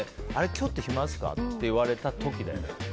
今日って暇ですかって言われた時だよね。